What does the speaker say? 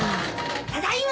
・ただいま！